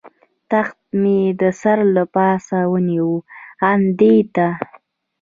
تخته مې د سر له پاسه ونیول، آن دې ته.